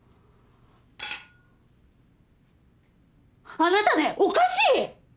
あなたねおかしい！